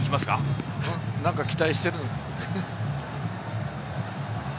何か期待してる。